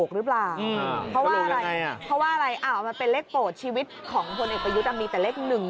เพราะว่าอะไรมันเป็นเลขโปรดชีวิตของผลเอกประยุดมีแต่เลขหนึ่ง